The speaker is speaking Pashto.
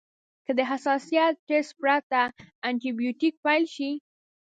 که د حساسیت ټسټ پرته انټي بیوټیک پیل شي.